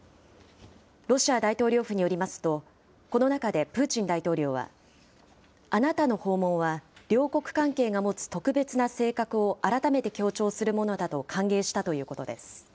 ロシア大統領府によりますと、この中でプーチン大統領は、あなたの訪問は両国関係が持つ特別な性格を改めて強調するものだと歓迎したということです。